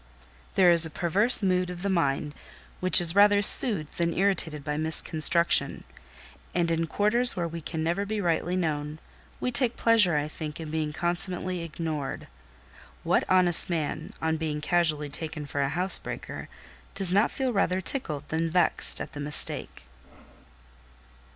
There is a perverse mood of the mind which is rather soothed than irritated by misconstruction; and in quarters where we can never be rightly known, we take pleasure, I think, in being consummately ignored. What honest man, on being casually taken for a housebreaker, does not feel rather tickled than vexed at the mistake?